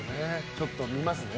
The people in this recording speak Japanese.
ちょっと見ますね。